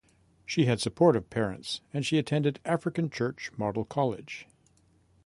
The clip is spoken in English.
She had supportive parents and she attended African Church Model College.